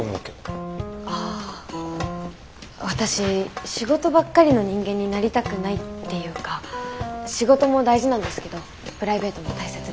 ああ私仕事ばっかりの人間になりたくないっていうか仕事も大事なんですけどプライベートも大切にしたいんで。